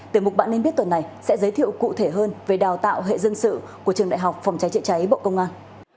từ mục bạn nên biết tuần này sẽ giới thiệu cụ thể hơn về đào tạo hệ dân sự của trường đại học phòng cháy chữa cháy bộ công an